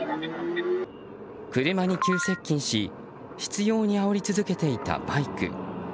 車に急接近し執拗にあおり続けていたバイク。